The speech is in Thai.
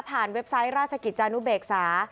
เว็บไซต์ราชกิจจานุเบกษา